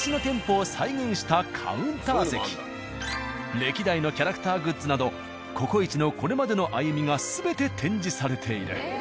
歴代のキャラクターグッズなど「ココイチ」のこれまでの歩みが全て展示されている。